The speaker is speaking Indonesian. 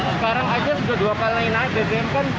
sekarang aja sudah dua kali naik bbm kan